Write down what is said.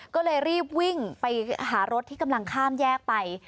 ก็เลยรีบวิ่งไปหารถที่กำลังข้ามแยกไป